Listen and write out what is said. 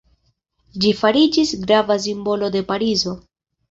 Ĝi fariĝis grava simbolo de Parizo.